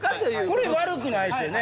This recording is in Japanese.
これ悪くないですよね？